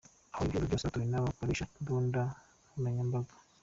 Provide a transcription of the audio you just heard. Abahawe ibihembo bose batowe n’ abakoresha imbuga nkoranyambaga.